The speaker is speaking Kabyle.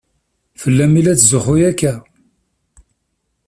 Fell-am i la tetzuxxu akka?